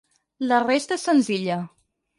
La resta és senzilla.